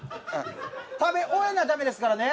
食べ終えなダメですからね。